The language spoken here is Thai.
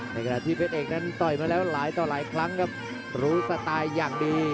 ขณะที่เพชรเอกนั้นต่อยมาแล้วหลายต่อหลายครั้งครับรู้สไตล์อย่างดี